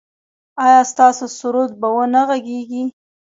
ایا ستاسو سرود به و نه غږیږي؟